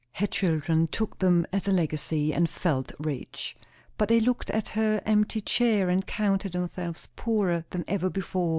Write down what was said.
Her children took them as a legacy, and felt rich. But they looked at her empty chair, and counted themselves poorer than ever before.